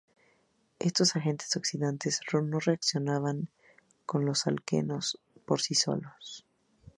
Estos agentes oxidantes no reaccionan con los alquenos por sí solos.